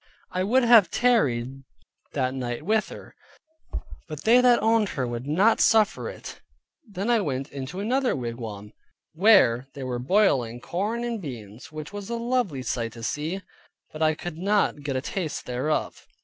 I would have tarried that night with her, but they that owned her would not suffer it. Then I went into another wigwam, where they were boiling corn and beans, which was a lovely sight to see, but I could not get a taste thereof.